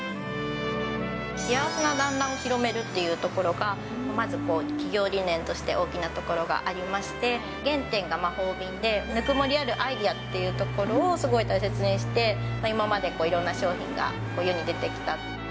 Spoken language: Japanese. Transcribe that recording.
幸せな団らんを広めるというところが、まずこう、企業理念として大きなところがありまして、原点が魔法瓶で、ぬくもりあるアイデアというところをすごい大切にして、今までいろんな商品が世に出てきた。